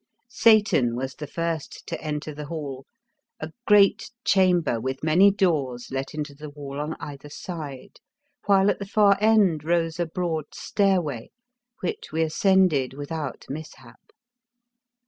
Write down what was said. Satan was the first to enter the hall, a great chamber with many doors let into the wall on either side, while at the far end rose a broad stairway, which we ascended without mishap.